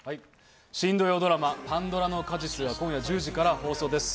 新土曜ドラマ『パンドラの果実』が今夜１０時から放送です。